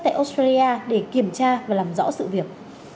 tại australia để kiểm tra và làm rõ sự việc